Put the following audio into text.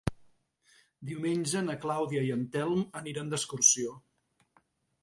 Diumenge na Clàudia i en Telm aniran d'excursió.